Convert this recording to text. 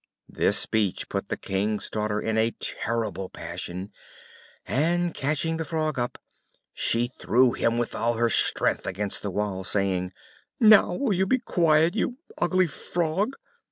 This speech put the King's daughter in a terrible passion, and catching the Frog up, she threw him with all her strength against the wall, saying, "Now, will you be quiet, you ugly Frog?"